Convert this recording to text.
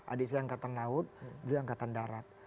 adik saya angkatan laut beliau angkatan darat